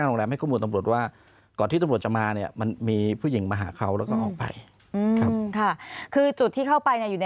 คือเป็นขอบกรุงเทพแล้วก็ติดกัน